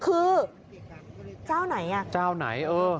คือเจ้าไหนอ่ะเจ้าไหนเออ